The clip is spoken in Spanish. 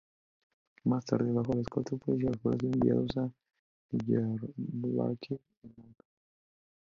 Más tarde, bajo escolta policial, fueron enviados a Diyarbakır en un auto.